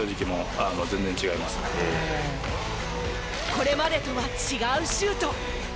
これまでとは違うシュート。